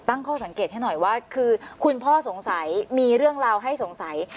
ตั้งข้อสังเกตให้หน่อยว่าคือคุณพ่อสงสัยมีเรื่องราวให้สงสัย